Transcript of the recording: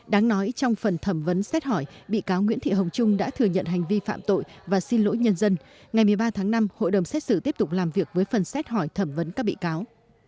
đáng nói trong phần thẩm vấn xét hỏi bị cáo nguyễn thị hồng trung đã thừa nhận hành vi phạm tội và xin lỗi nhân dân ngày một mươi ba tháng năm hội đồng xét xử tiếp tục làm việc với phần xét hỏi thẩm vấn các bị cáo